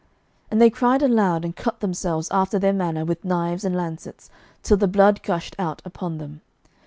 11:018:028 And they cried aloud, and cut themselves after their manner with knives and lancets, till the blood gushed out upon them.